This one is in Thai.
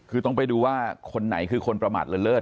คือต้องไปดูว่าคนไหนคือคนประมาทเลิศ